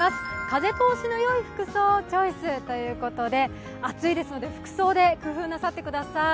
風通しのよい服装をチョイスということで暑いですので服装で工夫なさってください。